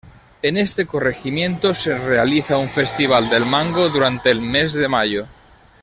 En este corregimiento se realiza un festival del mango durante el mes de mayo.